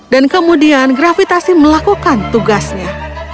dan kemudian gravitasi melakukan tugasnya